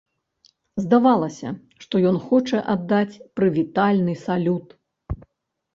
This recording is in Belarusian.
Здавалася, што ён хоча аддаць прывітальны салют.